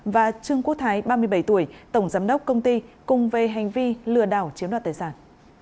và trương quốc thái ba mươi bảy tuổi tổng giám đốc công ty cùng về hành vi lừa đảo chiếm đoạt tài sản